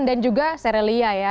dan juga serelia ya